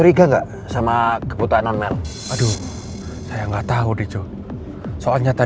saya ingat mel pernah bilang ke saya pak